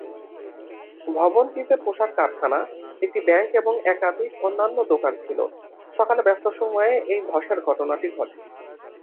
ভবনটিতে পোশাক কারখানা, একটি ব্যাংক এবং একাধিক অন্যান্য দোকান ছিল, সকালে ব্যস্ত সময়ে এই ধসের ঘটনাটি ঘটে।